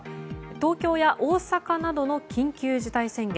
東京や大阪などの緊急事態宣言。